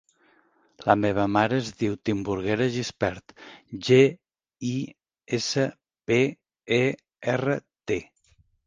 La meva mare es diu Timburguera Gispert: ge, i, essa, pe, e, erra, te.